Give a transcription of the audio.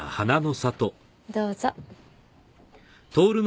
どうぞ。